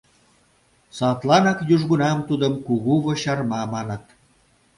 Садланак южгунам тудым Кугу Вочарма маныт.